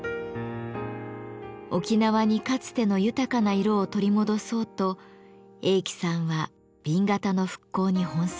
沖縄にかつての豊かな色を取り戻そうと栄喜さんは紅型の復興に奔走しました。